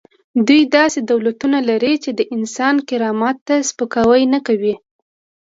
دوی داسې دولتونه لري چې د انسان کرامت ته سپکاوی نه کوي.